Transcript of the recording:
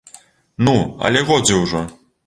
Ну, але годзе ўжо.